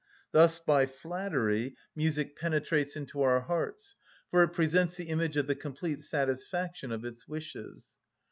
Thus, by flattery, music penetrates into our hearts, for it presents the image of the complete satisfaction of its wishes.